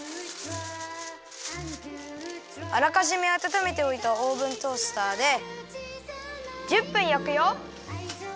あらかじめあたためておいたオーブントースターで１０分焼くよ。